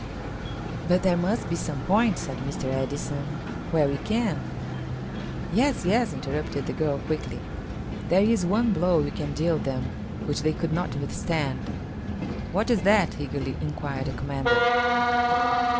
"But there must be some point," said Mr. Edison, "where we can." "Yes, yes," interrupted the girl quickly, "there is one blow you can deal them which they could not withstand." "What is that?" eagerly inquired the commander.